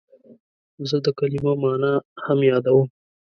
زه د کلمو مانا هم یادوم.